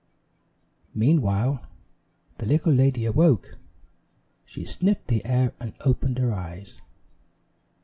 Meanwhile, the little lady awoke. She sniffed the air and opened her eyes.